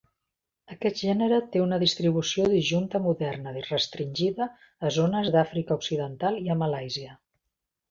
Aquest gènere té una distribució disjunta moderna restringida a zones d'Àfrica occidental i a Malàisia.